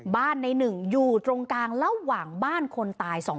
บ้านนายหนึ่งอยู่ตรงกลางระหว่างบ้านคนตาย๒คน